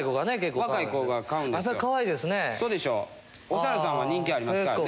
お猿さんは人気ありますからね。